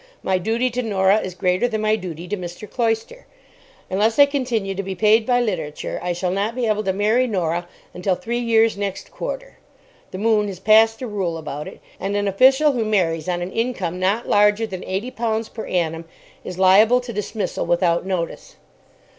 My duty to Norah is greater than my duty to Mr. Cloyster. Unless I continue to be paid by literature I shall not be able to marry Norah until three years next quarter. The "Moon" has passed a rule about it, and an official who marries on an income not larger than eighty pounds per annum is liable to dismissal without notice.